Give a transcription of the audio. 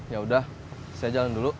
ya udah saya jalan dulu